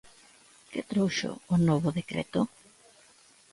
¿Que trouxo o novo decreto?